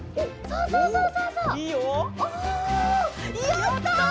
やった！